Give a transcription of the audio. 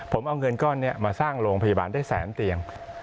ผมเอาเงินก้อนนี้มาสร้างโรงพยาบาลได้แสนเตียง